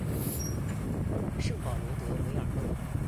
圣保罗德韦尔讷。